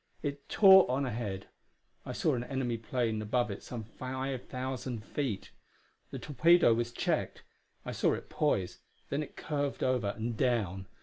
It tore on ahead. I saw an enemy plane above it some five thousand feet. The torpedo was checked; I saw it poise; then it curved over and down.